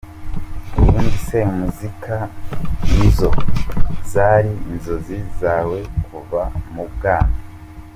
Ubundi se muzika nizo zari inzozi zawe kuva mu bwana?.